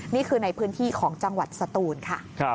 นี่คือในพื้นที่ของจังหวัดสตูนค่ะ